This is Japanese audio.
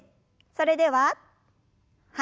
それでははい。